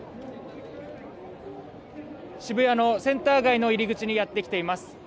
渋谷のセンター街の入り口にやってきています。